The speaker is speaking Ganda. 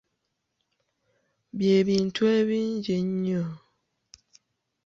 Bye bintu ebingi ennyo.